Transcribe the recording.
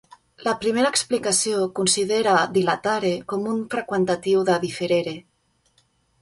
La primera explicació considera "dilatare" com un freqüentatiu de "differere".